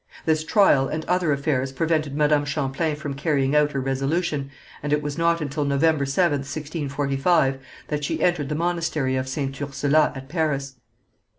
This trial and other affairs prevented Madame Champlain from carrying out her resolution, and it was not until November 7th, 1645, that she entered the monastery of St. Ursula at Paris.